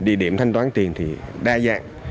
địa điểm thanh toán tiền thì đa dạng